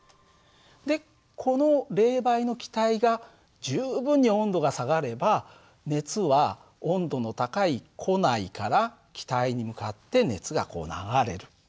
でこの冷媒の気体が十分に温度が下がれば熱は温度の高い庫内から気体に向かって熱が流れる。